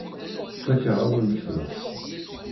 Fakeɣ-awen-tent.